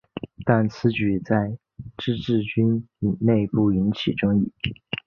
但此举在自治军内部引起争议。